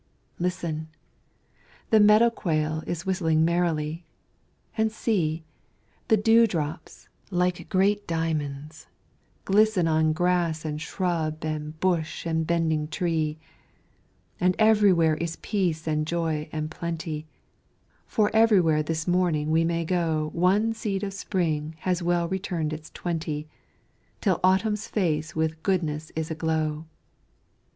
Listen! The meadow quail is whistling merrily, And see! the dew drops, like great diamonds, glisten On grass and shrub and bush and bending tree; And everywhere is peace and joy and plenty, For everywhere this morning we may go One seed of Spring has well returned its twenty, Till Autumn's face with goodness is aglow.